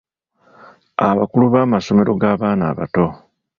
Abakulu b’amasomero g’abaana abato.